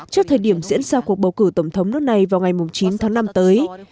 trước thời điểm diễn ra cuộc bầu cử tổng thống nước này vào ngày chín tháng năm tới